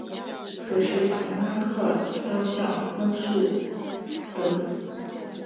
此时同安号倒向温树德。